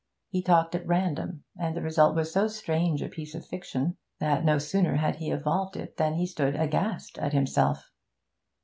He talked at random; and the result was so strange a piece of fiction, that no sooner had he evolved it than he stood aghast at himself.